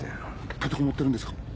立て籠もってるんですか？